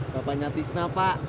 bapaknya tisna pak